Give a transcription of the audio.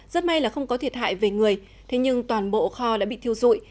rất may là không có thiệt hại về người thế nhưng toàn bộ kho đã bị thiêu dụi